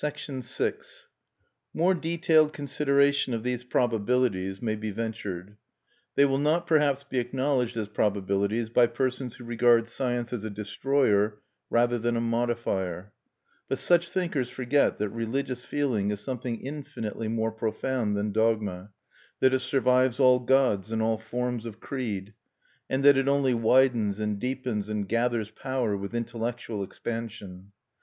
VI More detailed consideration of these probabilities may be ventured. They will not, perhaps, be acknowledged as probabilities by persons who regard science as a destroyer rather than a modifier. But such thinkers forget that religious feeling is something infinitely more profound than dogma; that it survives all gods and all forms of creed; and that it only widens and deepens and gathers power with intellectual expansion.